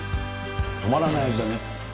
止まらない味だね。